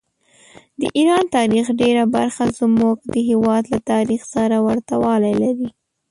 د ایران تاریخ ډېره برخه زموږ د هېواد له تاریخ سره ورته والي لري.